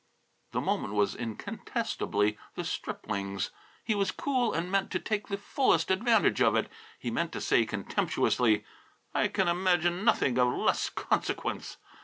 The moment was incontestably the stripling's. He was cool and meant to take the fullest advantage of it. He meant to say, contemptuously, "I can imagine nothing of less consequence!"